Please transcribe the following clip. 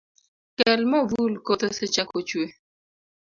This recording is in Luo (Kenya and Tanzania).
Kel mavul koth osechako chue.